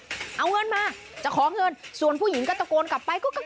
เอาเงินมาจะขอเงินส่วนผู้หญิงก็ตะโกนกลับไปก็